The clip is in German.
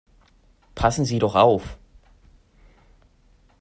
Passen Sie doch auf!